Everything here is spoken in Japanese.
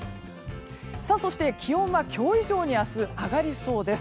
そして、気温は明日今日以上に上がりそうです。